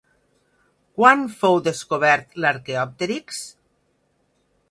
Quan fou descobert l'arqueòpterix?